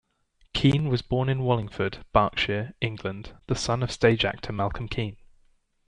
Keen was born in Wallingford, Berkshire, England, the son of stage actor Malcolm Keen.